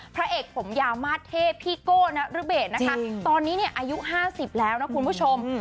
พระเอกผมยาวมาสเทพพี่โก้นรเบศนะคะตอนนี้เนี่ยอายุ๕๐แล้วนะคุณผู้ชม